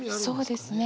そうですね。